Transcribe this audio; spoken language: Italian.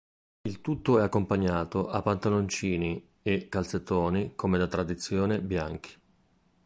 Il tutto è accompagnato a pantaloncini e calzettoni, come da tradizione, bianchi.